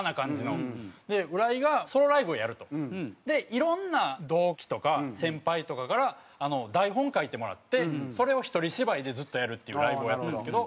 いろんな同期とか先輩とかから台本書いてもらってそれを独り芝居でずっとやるというライブをやったんですけど。